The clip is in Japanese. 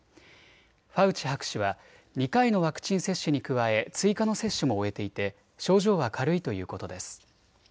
ファウチ博士は２回のワクチン接種に加え、追加の接種も終えていて症状は軽いということです。